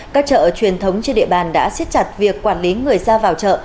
các chợ truyền thống trên địa bàn đã xiết chặt việc quản lý người ra vào chợ